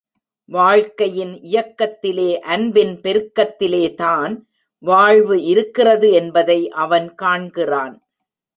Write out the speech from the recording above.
வாழ்க்கையின் இயக்கத்திலே அன்பின் பெருக்கத்திலேதான் வாழ்வு இருக்கிறது என்பதை அவன் காண்கிறான்.